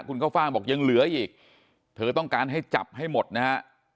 คุณเข้าฟ่างบอกยังเหลืออีกเธอต้องการให้จับให้หมดนะฮะ